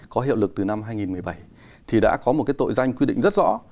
có hiệu lực từ năm hai nghìn một mươi bảy thì đã có một cái tội danh quy định rất rõ